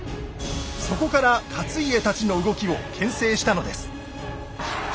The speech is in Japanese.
そこから勝家たちの動きを牽制したのです。